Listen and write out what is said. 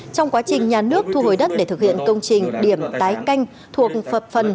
trong quá trình nhà nước thu hồi đất để thực hiện công trình điểm tái canh thuộc phật phần